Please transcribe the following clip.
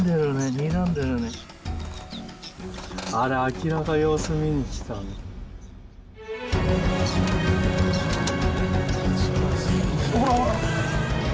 にらんでるねあれ明らか様子見に来たほらほら！